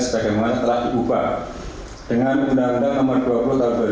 sebagaimana telah diubah dengan undang undang nomor dua puluh tahun dua ribu dua